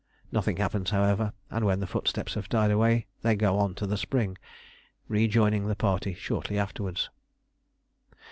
Nothing happens, however, and when the footsteps have died away they go on to the spring, rejoining the party shortly afterwards.